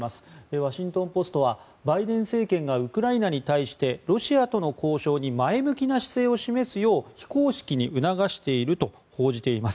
ワシントン・ポストはバイデン政権がウクライナに対してロシアとの交渉に前向きな姿勢を示すよう非公式に促していると報じています。